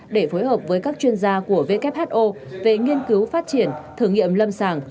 để phối hợp với các chuyên gia của who về nghiên cứu phát triển thử nghiệm lâm sàng